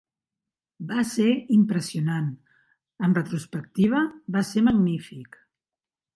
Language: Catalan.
Va ser impressionant; amb retrospectiva, va ser magnífic.